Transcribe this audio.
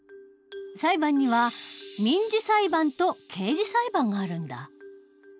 裁判には民事裁判と刑事裁判があるんだ。